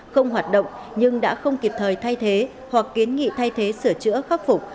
không hoạt động nhưng đã không kịp thời thay thế hoặc kiến nghị thay thế sửa chữa khắc phục